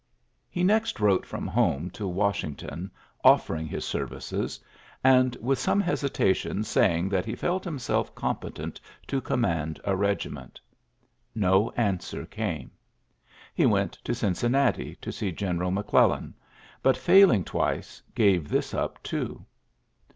He next wrote from home to "Wash ington offering his services, and with some hesitation saying that he felt himself competent to command a regi ment Ko answer came. He went to Cincinnati to see General McClellan, but, failing twice, gave this up too.